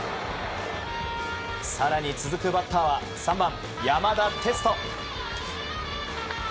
更に続くバッターは３番、山田哲人。